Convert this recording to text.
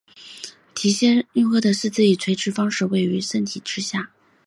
提契诺鳄的四肢以垂直方式位于身体之下。